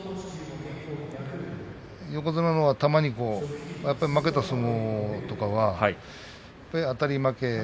横綱もたまに負けた相撲とかはあたり負け。